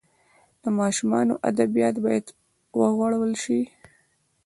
د ماشومانو ادبیات باید وغوړول سي.